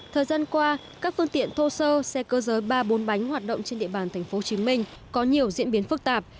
thời gian qua các phương tiện thô sơ xe cơ giới ba bốn bánh hoạt động trên địa bàn tp hcm có nhiều diễn biến phức tạp